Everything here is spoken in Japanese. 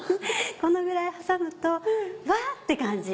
このぐらい挟むとわっ！て感じ。